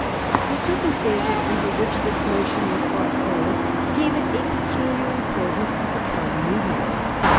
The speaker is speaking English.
The circumstances under which this mo tion was brought forward gave it a peculiar importance as a party movement.